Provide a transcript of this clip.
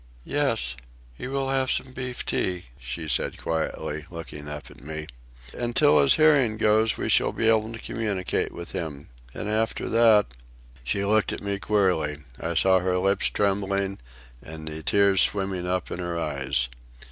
"Yes, he will have some beef tea," she said, quietly, looking up at me. "Until his hearing goes we shall be able to communicate with him. And after that—" She looked at me queerly. I saw her lips trembling and the tears swimming up in her eyes.